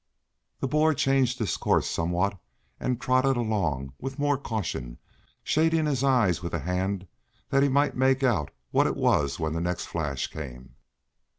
The boy changed his course somewhat and trotted along with more caution, shading his eyes with a hand that he might make out what it was when the next flash came.